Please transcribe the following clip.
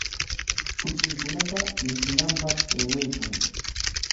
Kuchinkunata michinanpaq aywaykan.